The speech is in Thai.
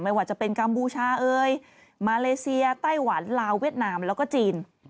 ว่าจะเป็นกัมพูชาเอยมาเลเซียไต้หวันลาวเวียดนามแล้วก็จีน